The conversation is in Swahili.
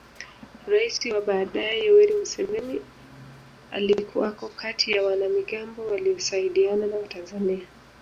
Rais wa baadaye Yoweri Museveni alikuwako kati ya wanamigambo waliosaidiana na Watanzania